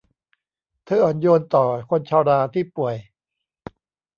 เธออ่อนโยนต่อคนชราที่ป่วย